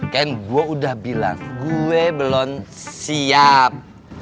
kan gue udah bilang gue belum siap